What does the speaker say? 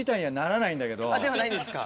ではないんですか。